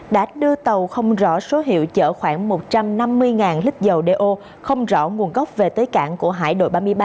đã đưa tàu không rõ số hiệu chở khoảng một trăm năm mươi lít dầu đeo không rõ nguồn gốc về tới cảng của hải đội ba mươi ba